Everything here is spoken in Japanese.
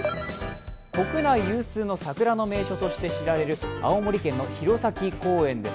国内有数の桜の名所として知られる青森県の弘前公園です。